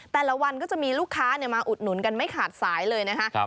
แต่ละวันก็จะมีลูกค้ามาอุดหนุนกันไม่ขาดสายเลยนะคะ